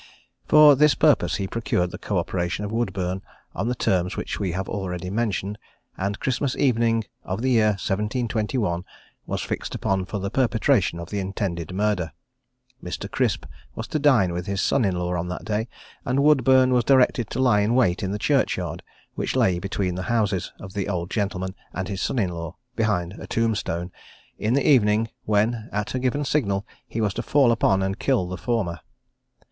For this purpose, he procured the co operation of Woodburne on the terms which we have already mentioned, and Christmas evening of the year 1721 was fixed upon for the perpetration of the intended murder. Mr. Crisp was to dine with his son in law on that day, and Woodburne was directed to lie in wait in the churchyard, which lay between the houses of the old gentleman and his son in law, behind a tomb stone, in the evening, when, at a given signal, he was to fall upon and kill the former.